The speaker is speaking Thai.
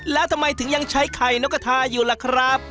แล้วทำไมถึงยังใช้ไข่นกกระทาอยู่ล่ะครับ